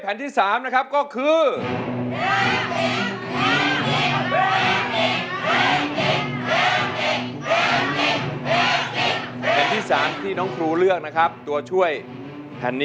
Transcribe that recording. อันที่สามที่น้องครูเลือกนะครับตัวช่วยฝั่งที่